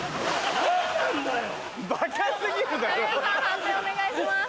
判定お願いします。